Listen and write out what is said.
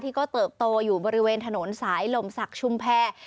ที่ก็เติบโตอยู่บริเวณถนนสายลมศักดิ์ชุมแพร